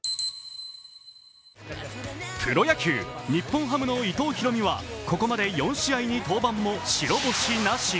プロ野球日本ハムの伊藤大海はここまで４試合に登板も白星なし。